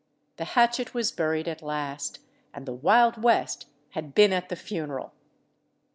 The hatchet was buried at last, and the Wild West had been at the funeral.